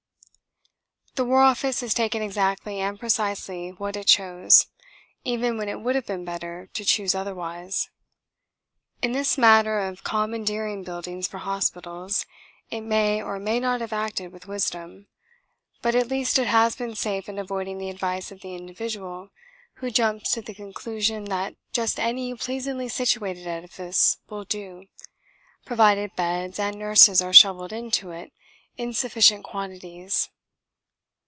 The War Office has taken exactly and precisely what it chose even when it would have been better to choose otherwise. In this matter of commandeering buildings for hospitals it may or may not have acted with wisdom; but at least it has been safe in avoiding the advice of the individual who jumps to the conclusion that just any pleasingly situated edifice will do, provided beds and nurses are shovelled into it in sufficient quantities.